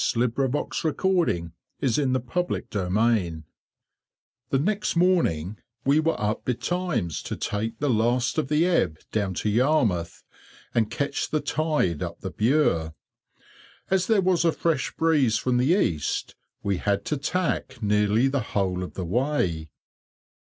REEDHAM TO YARMOUTH. [Picture: Decorative drop capital] The next morning we were up betimes to take the last of the ebb down to Yarmouth, and catch the tide up the Bure. As there was a fresh breeze from the east, we had to tack nearly the whole of the way.